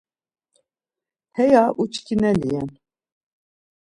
Heya uçkineli ren.